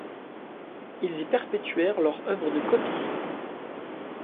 Ils y perpétuèrent leur œuvre de copistes.